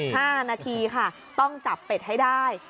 ห้านาทีค่ะต้องจับเป็ดให้ได้